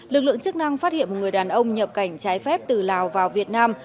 lực lượng chức năng phát hiện một người đàn ông nhập cảnh trái phép từ lào vào việt nam